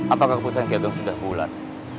apakah kekuasaan ki ageng sudah bulat